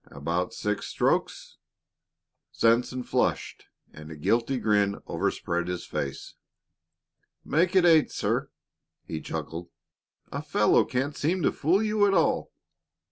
"About six strokes?" Sanson flushed, and a guilty grin overspread his face. "Make it eight, sir," he chuckled. "A fellow can't seem to fool you at all."